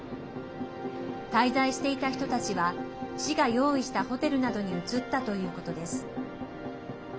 滞在していた人たちは市が用意したホテルなどに移ったということです。